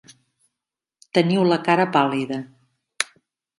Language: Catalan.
Teniu la cara pàl·lida.